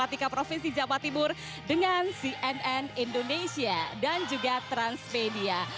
tiga provinsi jawa timur dengan cnn indonesia dan juga transmedia